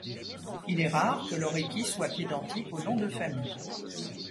Il est rare que l'Oriki soit identique au nom de famille.